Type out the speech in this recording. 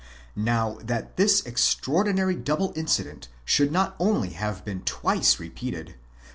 Now that this extra ordinary double incident should not only have been twice repeated, but that Τ᾿ Comp.